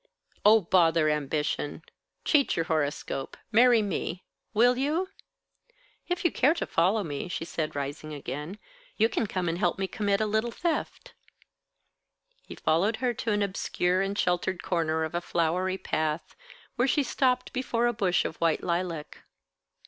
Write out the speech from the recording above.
"Oh, bother ambition! Cheat your horoscope. Marry me. Will you?" "If you care to follow me," she said, rising again, "you can come and help me to commit a little theft." He followed her to an obscure and sheltered corner of a flowery path, where she stopped before a bush of white lilac.